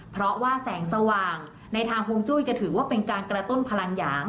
เพราะว่าแสงสว่างในทางฮวงจุ้ยจะถือว่าเป็นการกระตุ้นพลังหยาง